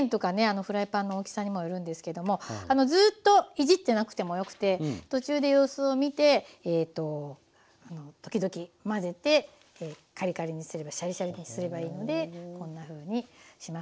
フライパンの大きさにもよるんですけれどもずっといじってなくてもよくて途中で様子を見て時々混ぜてカリカリにすればシャリシャリにすればいいのでこんなふうにします。